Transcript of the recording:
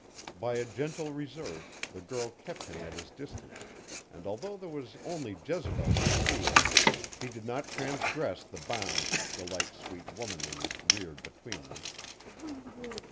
By a gentle reserve the girl kept him at his distance, and although there was only Jezebel to see, he did not transgress the bounds Delight's sweet womanliness reared between them.